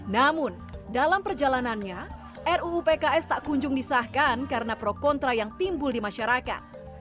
namun dalam perjalanannya ruu pks tak kunjung disahkan karena pro kontra yang timbul di masyarakat